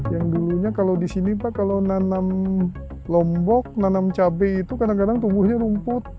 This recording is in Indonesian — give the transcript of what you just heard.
yang dulunya kalau di sini pak kalau nanam lombok nanam cabai itu kadang kadang tubuhnya rumput